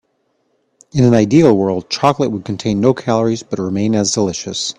In an ideal world, chocolate would contain no calories but remain as delicious.